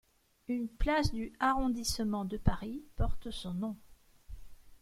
Une place du arrondissement de Paris porte son nom.